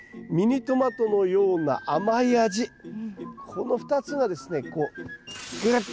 この２つがですね